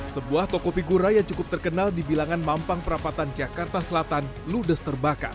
sebuah toko figura yang cukup terkenal di bilangan mampang perapatan jakarta selatan ludes terbakar